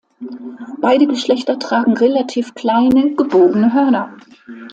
Beide Geschlechter tragen relativ kleine, gebogene Hörner.